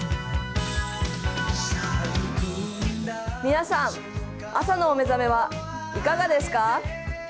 皆さん、朝のお目覚めはいかがですか？